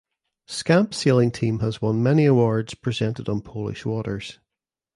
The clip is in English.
Scamp Sailing Team has won many awards presented on Polish waters.